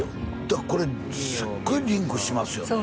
だからこれすっごいリンクしますよね